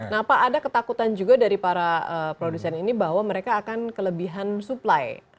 nah pak ada ketakutan juga dari para produsen ini bahwa mereka akan kelebihan supply